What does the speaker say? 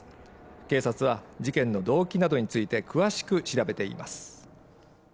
警察は事件の動機などについて詳しく調べています